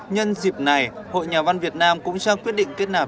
nhân dịp này hội nhà văn việt nam cũng trao quyết định kết nạp